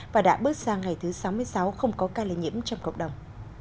và đã bước sang ngày thứ sáu mươi sáu không có ca lây nhiễm trong cộng đồng